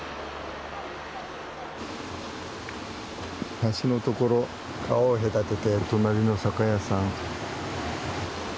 橋の所川を隔てて隣の酒屋さん。